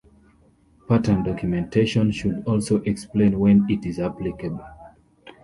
Pattern documentation should also explain when it is applicable.